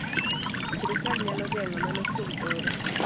Sirkal nyalo geng'o mano kuom oro